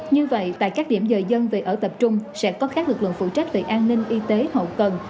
như vậy tại các điểm dời dân về ở tập trung sẽ có các lực lượng phụ trách về an ninh y tế hậu cần